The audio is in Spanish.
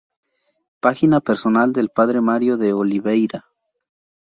Página personal del padre Mário de Oliveira